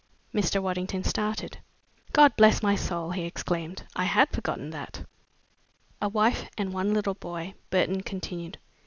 Mr. Waddington started. "God bless my soul!" he exclaimed. "I had forgotten that! "A wife and one little boy," Burton continued.